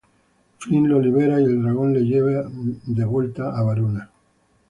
Flint lo libera y el dragón le lleve de vuelta a Varuna.